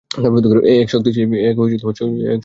এ এক শক্তিশালী ভূমিকম্প!